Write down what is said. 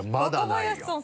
若林さん